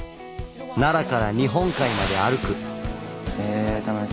奈良から日本海まで歩く！へ楽しそう。